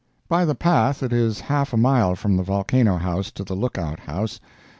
By the path it is half a mile from the Volcano House to the lookout house.